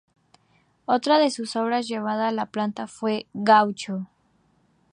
Otra de sus obras llevada a la pantalla fue ""¡Gaucho!